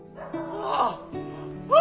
ああ！